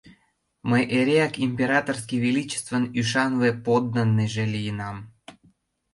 Мый эреак императорский величествын ӱшанле подданныйже лийынам...